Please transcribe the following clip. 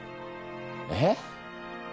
えっ？